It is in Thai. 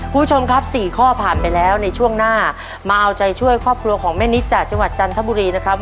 คุณผู้ชมครับ๔ข้อผ่านไปแล้วในช่วงหน้ามาเอาใจช่วยครอบครัวของแม่นิดจากจังหวัดจันทบุรีนะครับ